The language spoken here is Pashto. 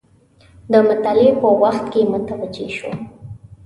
د مطالعې په وخت کې متوجه شوم.